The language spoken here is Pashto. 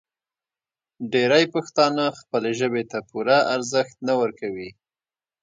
ډېری پښتانه خپلې ژبې ته پوره ارزښت نه ورکوي.